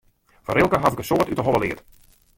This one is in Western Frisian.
Fan Rilke haw ik in soad út de holle leard.